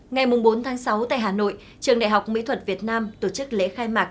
ngày bốn sáu tại hà nội trường đại học mỹ thuật việt nam tổ chức lễ khai mạc